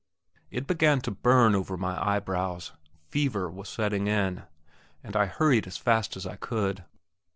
It began to burn over my eyebrows fever was setting in, and I hurried as fast as I could.